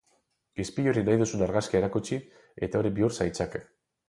Ispiluari nahi duzun argazkia erakutsi eta hori bihur zaitzake.